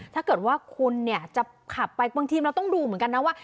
ถ้าเกิดว่าคุณเนี่ยจะขับไปบางทีเราต้องดูเหมือนกันนะว่า